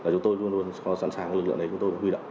chúng tôi luôn sẵn sàng lực lượng này huy động